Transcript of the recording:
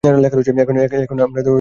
এখন, আমারা তাকে প্রমাণসহ ধরেছি।